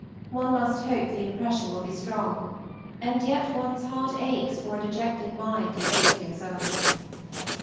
One must hope the impression will be strong, and yet one's heart aches for a dejected mind of eight years old.